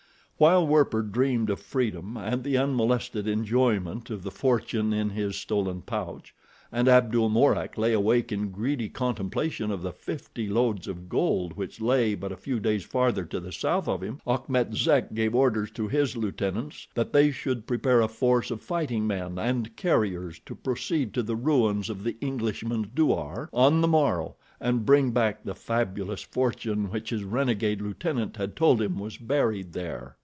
While Werper dreamed of freedom and the unmolested enjoyment of the fortune in his stolen pouch, and Abdul Mourak lay awake in greedy contemplation of the fifty loads of gold which lay but a few days farther to the south of him, Achmet Zek gave orders to his lieutenants that they should prepare a force of fighting men and carriers to proceed to the ruins of the Englishman's DOUAR on the morrow and bring back the fabulous fortune which his renegade lieutenant had told him was buried there.